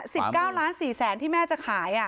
สิบเก้าล้านสี่แสนที่แม่จะขายอ่ะ